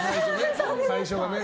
最初はね。